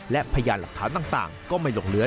และพยานหลักเท้าต่างก็ไม่หลงเหลือ